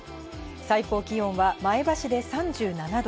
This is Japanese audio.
最高気温は前橋で３７度、